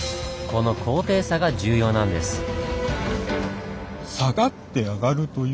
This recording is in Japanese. この高低差が重要なんです。